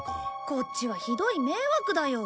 こっちはひどい迷惑だよ。